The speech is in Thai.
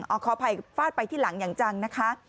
เอาขออภัยฟาดไปที่หลังอย่างจังนะคะ